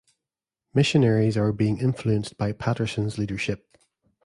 Missionaries are being influenced by Patterson's leadership.